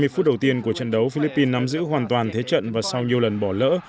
hai mươi phút đầu tiên của trận đấu philippines nắm giữ hoàn toàn thế trận và sau nhiều lần bỏ lỡ